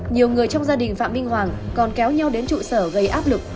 nhiều người trong gia đình phạm minh hoàng còn kéo nhau đến trụ sở gây áp lực